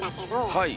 はい。